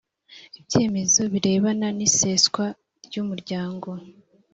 ibyemezo birebana n iseswa ry umuryango